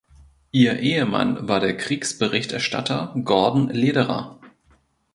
Ihr Ehemann war der Kriegsberichterstatter Gordan Lederer.